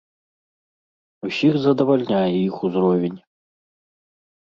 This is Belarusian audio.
Усіх задавальняе іх узровень.